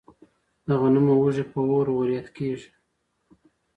د غنمو وږي په اور وریت کیږي.